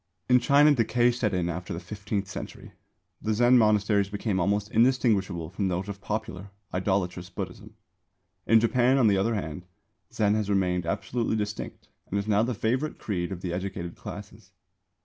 In China decay set in after the fifteenth century. The Zen monasteries became almost indistinguishable from those of popular, idolatrous Buddhism. In Japan, on the other hand, Zen has remained absolutely distinct and is now the favourite creed of the educated classes.